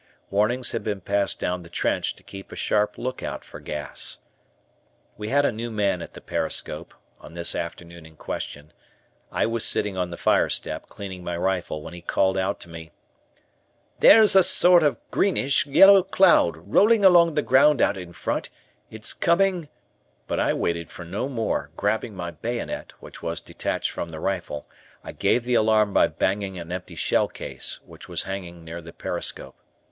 Warnings had been passed down the trench to keep a sharp lookout for gas. We had a new man at the periscope, on this afternoon in question; I was sitting on the fire step, cleaning my rifle, when he called out to me: "There's a sort of greenish, yellow cloud rolling along the ground out in front, it's coming " But I waited for no more, grabbing my bayonet, which was detached from the rifle, I gave the alarm by banging an empty shell case, which was hanging near the periscope.